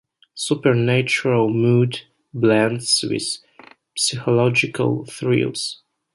Supernatural mood blends with psychological thrills.